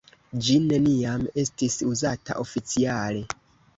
Ĝi neniam estis uzata oficiale.